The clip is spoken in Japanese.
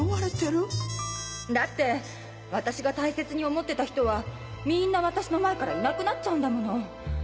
だって私が大切に想ってた人はみんな私の前からいなくなっちゃうんだもの。